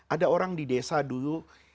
ada orang di desa dulu